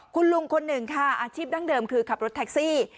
คุณลุงคนหนึ่งค่ะอาชีพดั้งเดิมคือขับรถแท็กซี่